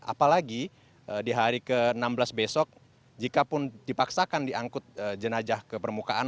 apalagi di hari ke enam belas besok jikapun dipaksakan diangkut jenajah ke permukaan